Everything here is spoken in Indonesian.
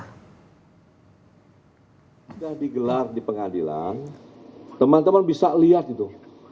sudah digelar di pengadilan teman teman bisa lihat itu